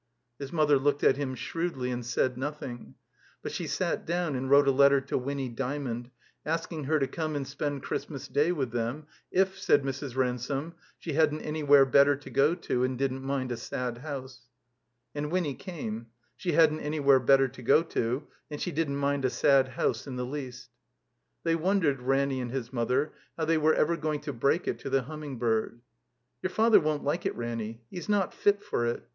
His mother looked at him shrewdly and said nothing. But she sat down and wrote a letter to Winny Dymond, asking her to come and spend Christmas Day with them, if, said Mrs. Ransome, she hadn't anywhere better to go to and didn't mind a sad house. And Wiimy came. She hadn't anywhere better to go to, and she didn't mind a sad house in the least. They wondered, Ranny and his mother, how they were ever going to break it to the Humming bird. "Yotir Father won't like it, Ranny. He's not fit. for it.